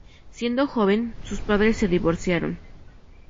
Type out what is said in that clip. Siendo joven, sus padres se divorciaron.